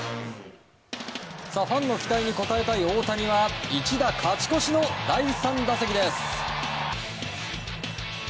ファンの期待に応えたい大谷は一打勝ち越しの第３打席です。